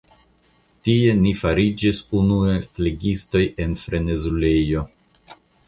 Tie ni fariĝis unue flegistoj en frenezulejo.